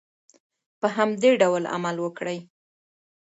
په همدې ډول عمل وکړئ.